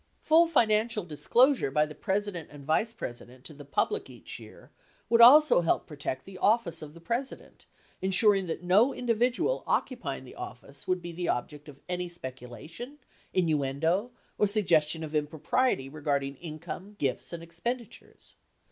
Full financial disclosure by the President and Vice President to the public each year would also help protect the Office of the President, ensuring that no individual occupying the Office would be the object of any speculation, innuendo, or suggestion of impropriety regarding income, gifts, and expenditures.